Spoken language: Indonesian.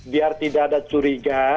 biar tidak ada curiga